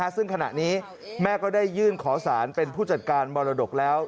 ซึ่งขณะนี้แม่ก็ได้ยื่นขอสารเป็นผู้จัดการมรดกแล้ว